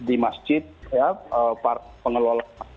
ya para pengelola